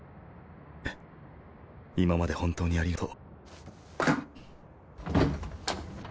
えぇ今まで本当にありがとう。